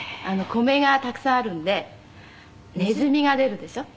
米がたくさんあるんでネズミが出るでしょ。